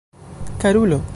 karulo